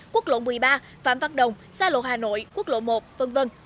quốc lộ một mươi ba phạm văn đồng xa lộ hà nội quốc lộ một v v